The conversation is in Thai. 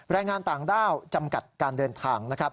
แรงงานต่างด้าวจำกัดการเดินทางนะครับ